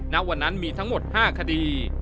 ณวันนั้นมีทั้งหมด๕คดี